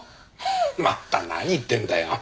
また何言ってんだよ。